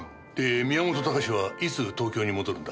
宮本孝はいつ東京に戻るんだ？